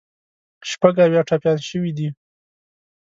شپږ اویا ټپیان شوي دي.